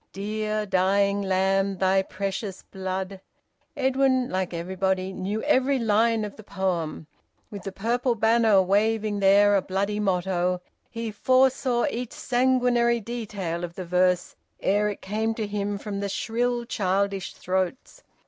... Dear dying Lamb, Thy precious blood Edwin, like everybody, knew every line of the poem. With the purple banner waving there a bloody motto, he foresaw each sanguinary detail of the verse ere it came to him from the shrill childish throats.